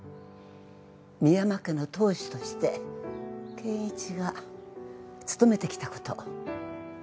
深山家の当主として圭一が務めてきたこと分かってます。